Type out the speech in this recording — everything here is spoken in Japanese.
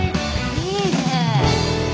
いいね。